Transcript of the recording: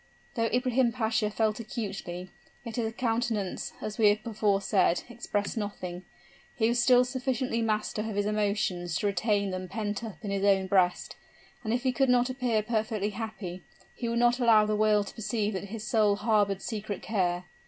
Though Ibrahim Pasha felt acutely, yet his countenance, as we have before said, expressed nothing he was still sufficiently master of his emotions to retain them pent up in his own breast; and if he could not appear perfectly happy, he would not allow the world to perceive that his soul harbored secret care.